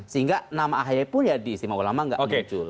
sehingga nama ahy pun ya di istimewa ulama nggak muncul